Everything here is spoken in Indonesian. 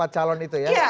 empat calon itu ya